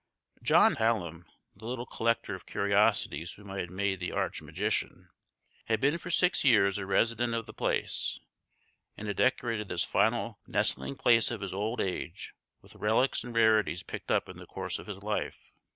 John Hallum, the little collector of curiosities whom I had made the arch magician, had been for six years a resident of the place, and had decorated this final nestling place of his old age with relics and rarities picked up in the course of his life.